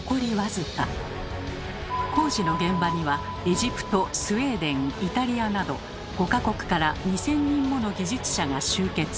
工事の現場にはエジプトスウェーデンイタリアなど５か国から２，０００人もの技術者が集結。